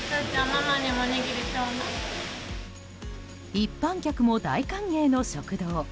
一般客も大歓迎の食堂。